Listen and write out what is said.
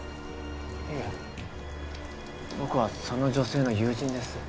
いえ僕はその女性の友人です。